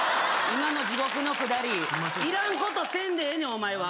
今の地獄のくだりいらんことせんでええねんお前は！